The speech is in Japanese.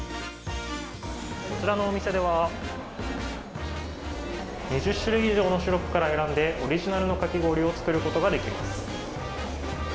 こちらのお店では、２０種類以上のシロップから選んでオリジナルのかき氷を作ることができます。